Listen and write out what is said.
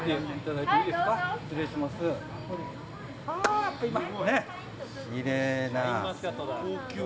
きれいな。